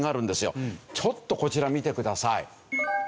ちょっとこちら見てください。